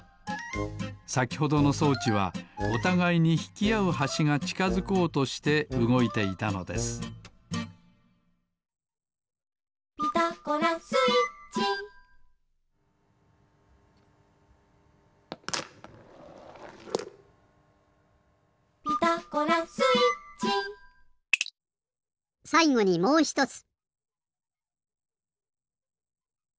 さきほどの装置はおたがいにひきあうはしがちかづこうとしてうごいていたのです「ピタゴラスイッチ」「ピタゴラスイッチ」さいごにもうひとつ。